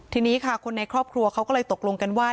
ทีนี้ค่ะคนในครอบครัวเขาก็เลยตกลงกันว่า